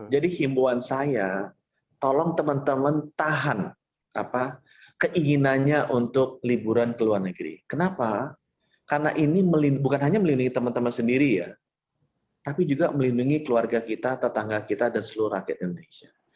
jadi imbuan saya tolong teman teman tahan keinginannya untuk liburan ke luar negeri kenapa karena ini bukan hanya melindungi teman teman sendiri ya tapi juga melindungi keluarga kita tetangga kita dan seluruh rakyat indonesia